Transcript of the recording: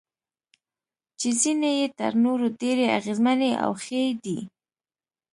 چې ځینې یې تر نورو ډېرې اغیزمنې او ښې دي.